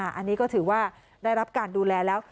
อันนี้ก็ถือว่าได้รับการดูแลแล้ว